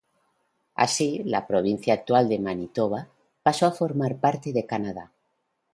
Así, la provincia actual de Manitoba pasó a formar parte de Canadá.